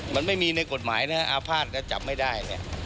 มันไม่มีในกฎหมายนะอาภาษณก็จับไม่ได้